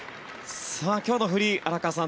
今日のフリー、荒川さん